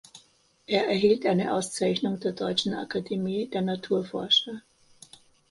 Er erhielt eine Auszeichnung der Deutschen Akademie der Naturforscher.